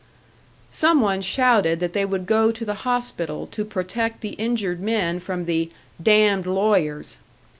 Some one shouted that they would go to the hospital to protect the injured men from the "damned lawyers."